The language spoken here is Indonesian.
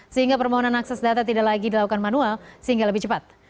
sehingga permohonan akses data tidak lagi dilakukan manual sehingga lebih cepat